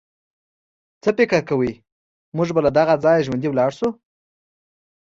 څه فکر کوئ، موږ به له دغه ځایه ژوندي ولاړ شو.